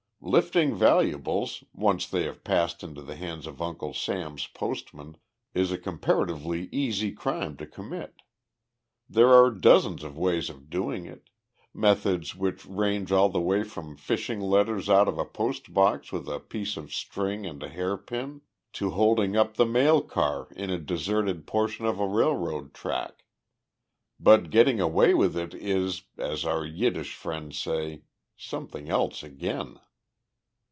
Lifting valuables, once they have passed into the hands of Uncle Sam's postman, is a comparatively easy crime to commit. There are dozens of ways of doing it methods which range all the way from fishing letters out of a post box with a piece of string and a hairpin, to holding up the mail car in a deserted portion of a railroad track. But getting away with it is, as our Yiddish friends say, something else again.